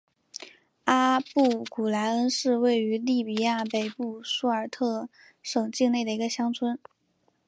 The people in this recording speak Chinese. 阿布古来恩是位于利比亚北部苏尔特省境内的一个乡村。